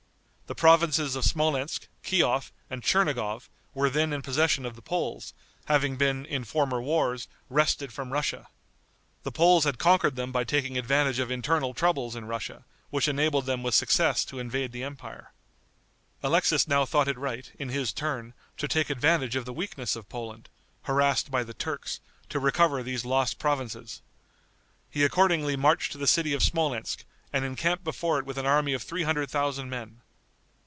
The provinces of Smolensk, Kiof and Tchernigov were then in possession of the Poles, having been, in former wars, wrested from Russia. The Poles had conquered them by taking advantage of internal troubles in Russia, which enabled them with success to invade the empire. Alexis now thought it right, in his turn, to take advantage of the weakness of Poland, harassed by the Turks, to recover these lost provinces. He accordingly marched to the city of Smolensk, and encamped before it with an army of three hundred thousand men.